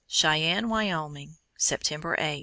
CHEYENNE, WYOMING, September 8.